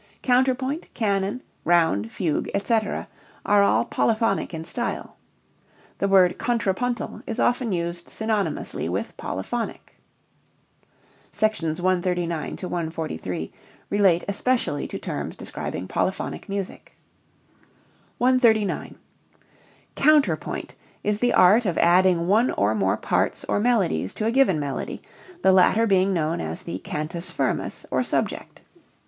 Counterpoint, canon, round, fugue, etc., are all polyphonic in style. The word contrapuntal is often used synonymously with polyphonic. (Sections 139 to 143 relate especially to terms describing polyphonic music.) 139. Counterpoint is the art of adding one or more parts or melodies to a given melody, the latter being known as the "cantus firmus," or subject.